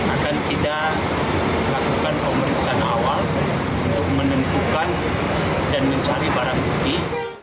akan tidak melakukan pemeriksaan awal untuk menentukan dan mencari barang putih